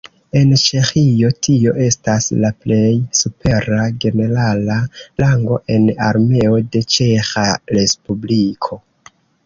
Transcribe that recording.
En Ĉeĥio tio estas la plej supera generala rango en Armeo de Ĉeĥa respubliko.